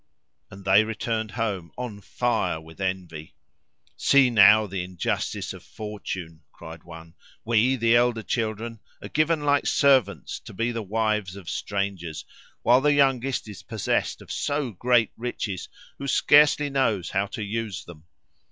And they returned home, on fire with envy. "See now the injustice of fortune!" cried one. "We, the elder children, are given like servants to be the wives of strangers, while the youngest is possessed of so great riches, who scarcely knows how to use them.